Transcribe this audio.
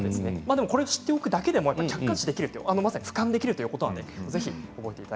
でもこれを知っているだけでも客観視できる、まさにふかんできるということです。